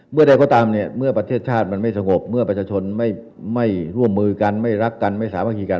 ใดก็ตามเนี่ยเมื่อประเทศชาติมันไม่สงบเมื่อประชาชนไม่ร่วมมือกันไม่รักกันไม่สามารถคีกัน